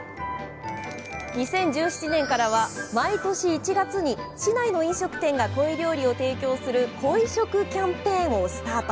２０１７年からは毎年１月に市内の飲食店がコイ料理を提供する鯉食キャンペーンをスタート。